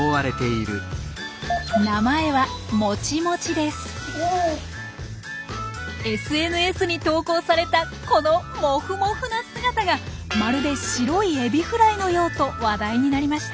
名前はＳＮＳに投稿されたこのモフモフな姿が「まるで白いエビフライのよう」と話題になりました。